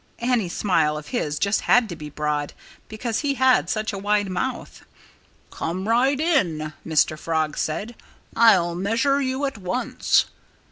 Any smile of his just had to be broad, because he had such a wide mouth. "Come right in!" Mr. Frog said. "I'll measure you at once."